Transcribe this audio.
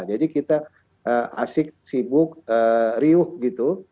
jadi kita asik sibuk riuh gitu